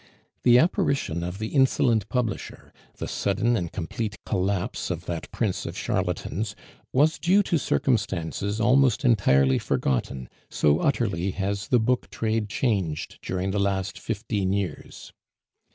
The apparition of the insolent publisher, the sudden and complete collapse of that prince of charlatans, was due to circumstances almost entirely forgotten, so utterly has the book trade changed during the last fifteen years.